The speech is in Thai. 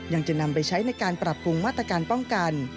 ยังจะนำไปใช้ในการปรับปรุงมาตรการป้องกัน